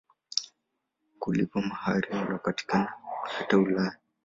Kulipa mahari unapatikana hata Ulaya.